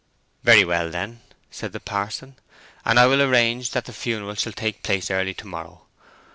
"Very well, then," said the parson. "And I will arrange that the funeral shall take place early to morrow.